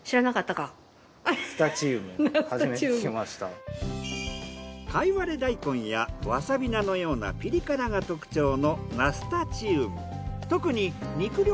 かいわれ大根やわさび菜のようなピリ辛が特徴のナスタチウム。